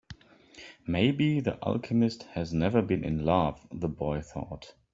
Maybe the alchemist has never been in love, the boy thought.